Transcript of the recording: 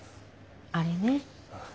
あれね。